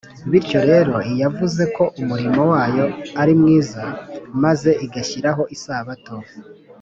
Bityo rero, iyavuze ko umurimo wayo ari mwiza, maze igashyiraho Isabato